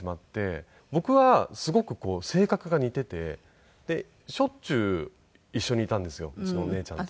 僕はすごく性格が似ていてでしょっちゅう一緒にいたんですようちのお姉ちゃんと。